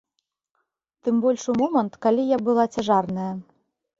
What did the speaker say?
Тым больш у момант, калі я была цяжарная.